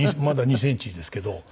まだ２センチですけど。